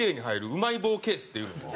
うまい棒ケースっていうのを。